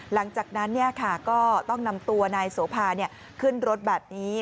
หลังจากนั้นก็ต้องนำตัวนายโสภาขึ้นรถแบบนี้